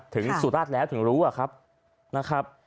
ถึงสุราชแล้วถึงรู้อะครับ